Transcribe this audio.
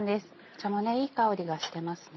茶もいい香りがしてますね。